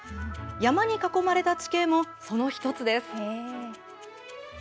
山に囲まれた地形もその一つです。